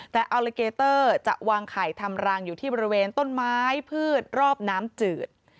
แต่อัลลิเกเตอร์จะวางไข่ทำรางอยู่ที่บริเวณต้นไม้พืชรอบน้ำจืด